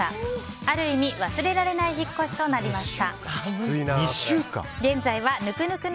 ある意味、忘れられない引っ越しとなりました。